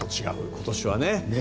今年はね。